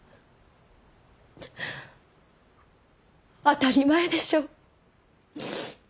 当たり前でしょう。